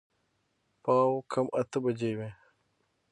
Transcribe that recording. پاو کم اته بجې وې.